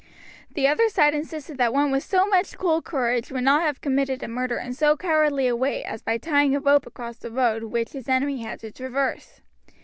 The other side insisted that one with so much cool courage would not have committed a murder in so cowardly a way as by tying a rope across the road which his enemy had to traverse.